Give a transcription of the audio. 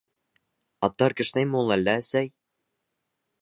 — Аттар кешнәйме ул әллә, әсәй?